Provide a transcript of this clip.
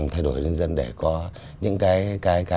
thay đổi người dân để có những cái